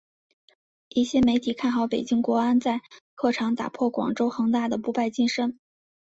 一些媒体看好北京国安在客场打破广州恒大的不败金身。